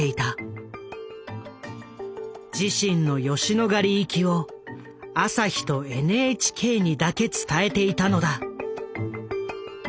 自身の吉野ヶ里行きを朝日とＮＨＫにだけ伝えていたのだ。